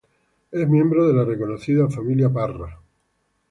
Es miembro de la reconocida Familia Parra.